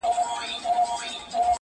خدايه زما پر ځای ودې وطن ته بل پيدا که.